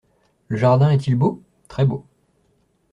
Le jardin est-il beau ? Très beau.